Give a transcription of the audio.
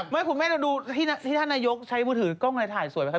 ไม่ผมไม่ได้ดูที่ท่านนายกใช้มูธือกล้องอะไรถ่ายสวยไป